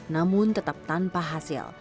namun tetap tanpa hasil